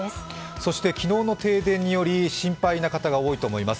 そして昨日の停電により心配な方が多いと思います。